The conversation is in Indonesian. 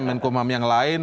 menkumham yang lain